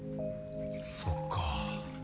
そっか。